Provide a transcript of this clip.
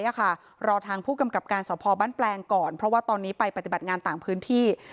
รอทางผู้กำกับการสอบพอบ้านแปลงก่อนเพราะว่าตอนนี้ไปปฏิบัติงานต่างพื้นที่